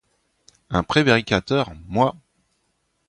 Un prévaricateur, moi!